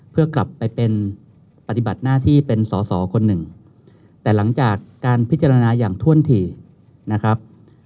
เพื่อกลับไปเป็นปฏิบัติหน้าที่เป็นสอสอคนหนึ่งแต่หลังจากการพิจารณาอย่างถ้วนถี่นะครับ